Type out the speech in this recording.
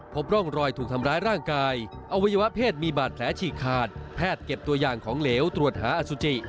พบร่องรอยถูกทำร้ายร่างกายอวัยวะเพศมีบาดแผลฉีกขาดแพทย์เก็บตัวอย่างของเหลวตรวจหาอสุจิ